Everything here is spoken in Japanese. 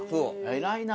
偉いな。